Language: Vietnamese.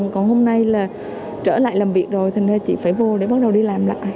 còn hôm nay là trở lại làm việc rồi thành nên chị phải vô để bắt đầu đi làm lại